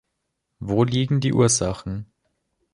Wo liegen die Ursachen?